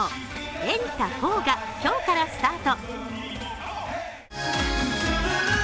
「ＥＮＴＡ！４」が今日からスタート。